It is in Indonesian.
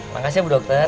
makasih bu dokter